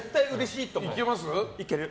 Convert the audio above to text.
いける。